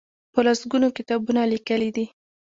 په لس ګونو کتابونه لیکلي دي.